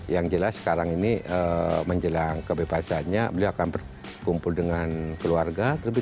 yang jelas sekarang ini menjelang kebebasannya beliau akan berkumpul dengan keluarga